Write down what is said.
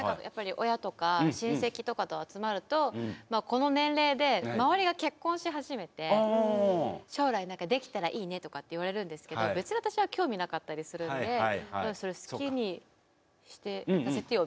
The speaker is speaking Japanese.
親とか親戚とかと集まるとこの年齢で周りが結婚し始めて「将来できたらいいね」とかって言われるんですけど別に私は興味なかったりするんでそれ好きにさせてよみたいな。